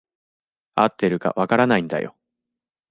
合ってるか分からないんだよ。